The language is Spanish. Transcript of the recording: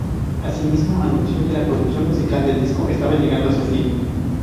Asimismo, anunció que la producción musical del disco estaba llegando a su fin.